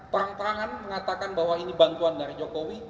terang terangan mengatakan bahwa ini bantuan dari jokowi